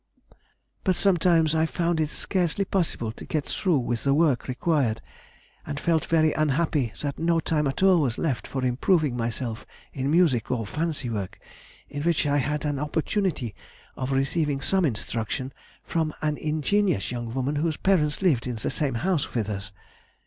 But sometimes I found it scarcely possible to get through with the work required, and felt very unhappy that no time at all was left for improving myself in music or fancy work, in which I had an opportunity of receiving some instruction from an ingenious young woman whose parents lived in the same house with us.